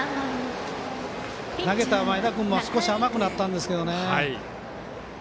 投げた前田君も少し甘くなったんですけどね。